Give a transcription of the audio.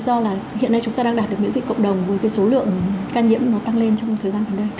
do là hiện nay chúng ta đang đạt được miễn dịch cộng đồng với cái số lượng ca nhiễm nó tăng lên trong thời gian gần đây